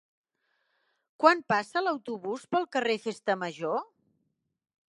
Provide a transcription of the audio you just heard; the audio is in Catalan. Quan passa l'autobús pel carrer Festa Major?